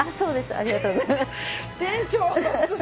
ありがとうございます。